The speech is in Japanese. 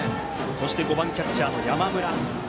そして、５番キャッチャー山村。